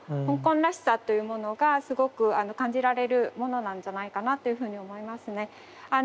香港らしさというものがすごく感じられるものなんじゃないかなっていうふうに思いますね。